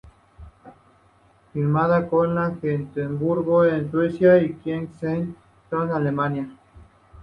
Filmada en en Gotemburgo en Suecia y en Kiel, Schleswig-Holstein y Berlín, en Alemania.